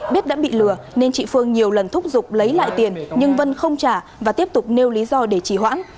biết đã bị lừa nên chị phương nhiều lần thúc giục lấy lại tiền nhưng vân không trả và tiếp tục nêu lý do để trì hoãn